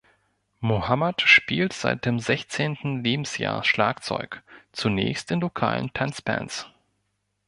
Muhammad spielte seit dem sechzehnten Lebensjahr Schlagzeug, zunächst in lokalen Tanzbands.